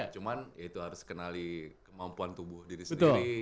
cuman ya itu harus kenali kemampuan tubuh diri sendiri